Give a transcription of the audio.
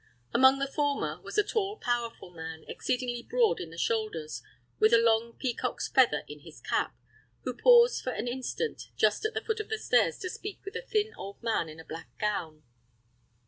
Among the former was a tall, powerful man, exceedingly broad in the shoulders, with a long peacock's feather in his cap, who paused for an instant just at the foot of the stairs to speak with a thin old man in a black gown.